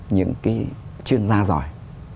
những cái chuyên gia giỏi